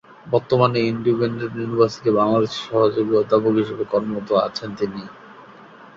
বর্তমানে Independent University বাংলাদেশের সহযোগী অধ্যাপক হিসেবে কর্মরত আছেন তিনি।